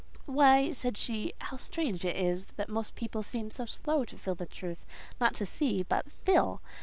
"Why," she said, "how strange it is that most people seem so slow to feel the truth—not to see, but feel!